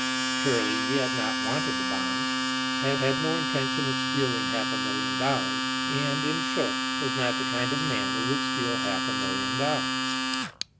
Surely he had not wanted the bonds had had no intention of stealing half a million dollars, and, in short, was not the kind of a man who would steal half a million dollars.